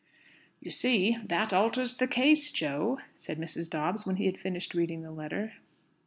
"You see that alters the case, Jo," said Mrs. Dobbs, when he had finished reading the letter.